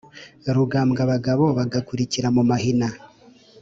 rugambwa abagabo bagarukira mu mahina,